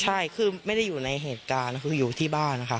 ใช่คือไม่ได้อยู่ในเหตุการณ์คืออยู่ที่บ้านนะคะ